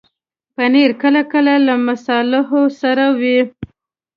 پنېر کله کله له مصالحو سره وي.